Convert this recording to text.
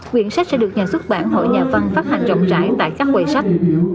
quyển sách sẽ được nhà xuất bản hội nhà văn phát hành rộng rãi tại các quầy sách